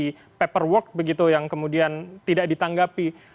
di paperwork begitu yang kemudian tidak ditanggapi